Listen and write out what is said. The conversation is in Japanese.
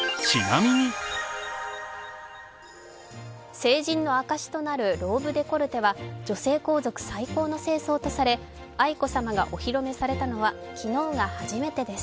成人の証しとなるローブデコルテは女性皇族最高の正装とされ、愛子さまがお披露目されたのは昨日が初めてです。